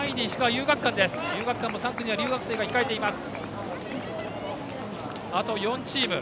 遊学館も３区には留学生が控えています。